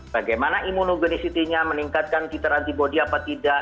bagaimana immunogenesitinya meningkatkan kitarantibodi apa tidak